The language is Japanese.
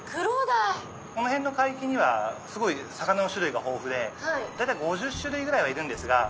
この辺の海域にはすごい魚の種類が豊富で大体５０種類ぐらいはいるんですが。